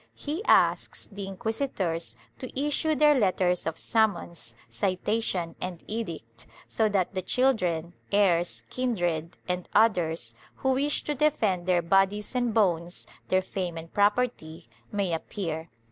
He asks the inquisitors to issue their letters of summons, citation and edict, so that the children, heirs, kindred and others who wish to defend their bodies and bones, their fame and property, may appear.